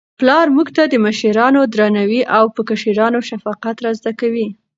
پلار موږ ته د مشرانو درناوی او په کشرانو شفقت را زده کوي.